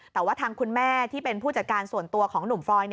แต่ว่าทางคุณแม่ที่เป็นผู้จัดการส่วนตัวของหนุ่มฟรอย